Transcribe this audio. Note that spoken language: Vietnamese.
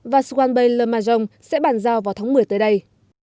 và swan bay le magent sẽ bàn giao vào tháng một mươi tới đây